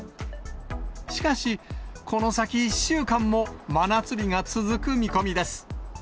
しかし、この先１週間も真夏日が続く見込みです。